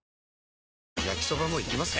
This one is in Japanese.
焼きソバもいきます？